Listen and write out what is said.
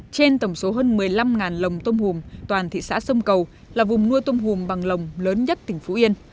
trên tổng số hơn một mươi năm lồng tôm hùm toàn thị xã sông cầu là vùng nuôi tôm hùm bằng lồng lớn nhất tỉnh phú yên